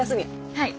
はい。